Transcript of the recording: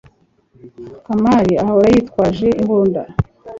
kamari ahora yitwaje imbunda